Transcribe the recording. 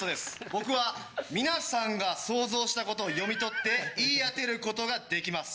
僕は皆さんが想像したことを読み取って言い当てることができます。